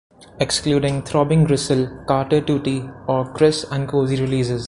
Excluding Throbbing Gristle, Carter Tutti or Chris and Cosey releases.